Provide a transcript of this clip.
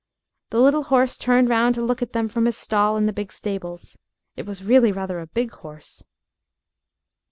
The little horse turned round to look at them from his stall in the big stables. It was really rather a big horse.